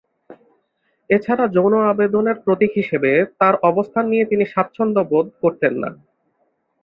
এছাড়া যৌন আবেদনের প্রতীক হিসেবে তার অবস্থান নিয়ে তিনি স্বাচ্ছন্দ্য বোধ করতেন না।